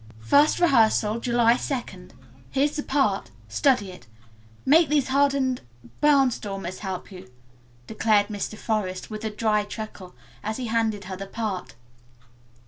"First rehearsal July 2d. Here's the part. Study it. Make these hardened barnstormers help you," declared Mr. Forest with a dry chuckle, as he handed her the part.